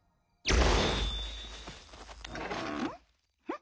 ん？